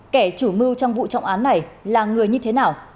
kẻ chủ mưu trong vụ trọng án này là người như thế nào